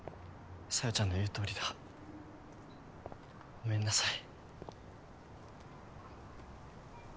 小夜ちゃんの言うとおりだごめんなさい